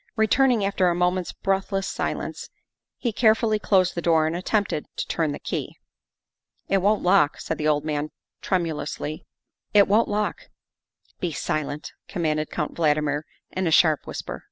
Returning after a moment's breathless silence, he care fully closed the door and attempted to turn the key. ' It won't lock," said the old man tremulously, " it won't lock." " Be silent," commanded Count Valdmir in a sharp whisper.